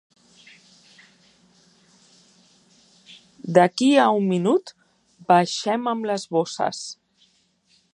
D'aquí a un minut baixem amb les bosses.